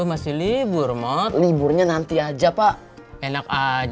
masih libur mot liburnya nanti aja pak enak aja